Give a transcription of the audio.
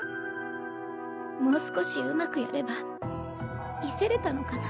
もう少しうまくやれば見せれたのかな。